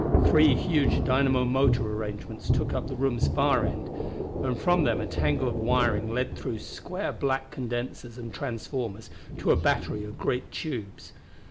Three huge dynamo motor arrangements took up the room's far end, and from them a tangle of wiring led through square black condensers and transformers to a battery of great tubes.